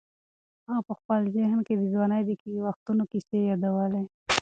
هغه په خپل ذهن کې د ځوانۍ د وختونو کیسې یادولې.